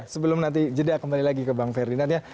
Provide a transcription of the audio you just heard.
sebelum nanti jeda kembali lagi ke bang ferdinand ya